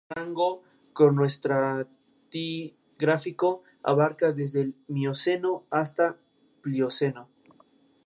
Wilson se mudó a California durante los días de Alta territorial California mexicana.